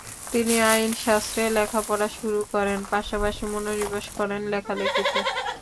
তিনি আইনশাস্ত্রে লেখাপড়া শুরু করেন, পাশাপাশি মনোনিবেশ করেন লেখালেখিতে।